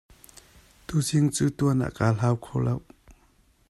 Tuzing cu tuan ah kaa hlau kho lo.